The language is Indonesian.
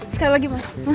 sekali lagi mas